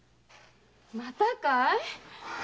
またかい⁉